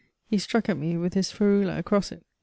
He struck at me with his ferula across it.